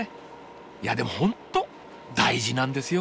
いやでもほんと大事なんですよ